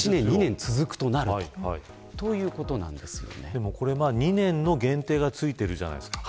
でもこれ２年の限定がついているじゃないですか。